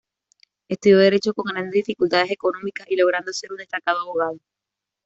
Estudió Derecho con grandes dificultades económicas y logrando ser un destacado abogado.